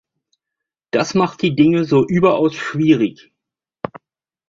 Das macht die Dinge so überaus schwierig.